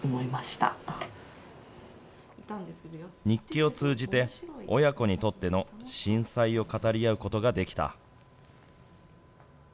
日記を通じて、親子にとっての震災を語り合うことができた。